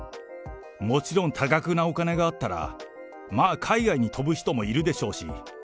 もちろん多額なお金があったら、まあ、海外に飛ぶ人もいるでしょうし。